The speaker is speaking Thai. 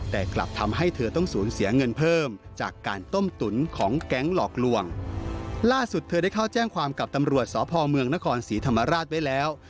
เธอต้องกลัวเมืองนครศรีธรรมราชไปแล้ว